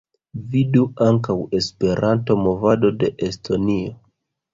Vidu ankaŭ Esperanto-movado de Estonio.